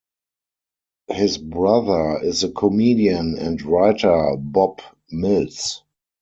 His brother is the comedian and writer, Bob Mills.